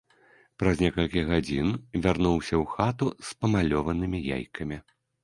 Праз некалькі гадзін вярнуўся ў хату з памалёванымі яйкамі.